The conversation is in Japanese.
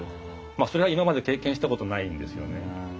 まあそれは今まで経験したことないんですよね。